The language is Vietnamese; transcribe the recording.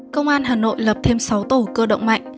công an hà nội lập thêm sáu tổ cơ động mạnh